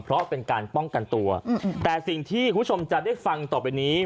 เพราะเป็นการป้องกันตัวแต่สิ่งที่คุณผู้ชมจะได้ฟังต่อไปนี้